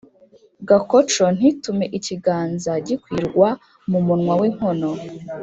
gakoco ntitume ikiganza gikwirwa mu munwa w’inkono,